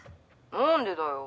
何でだよ。